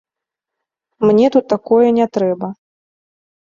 Мне тут такое не трэба.